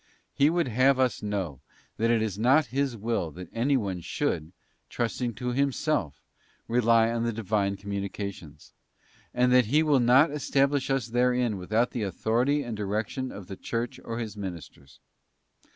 He would have us know that it is not His will that anyone should, trusting to him self, rely on the Divine communications; and that He will not establish us therein without the authority and direction of the Church or His ministers.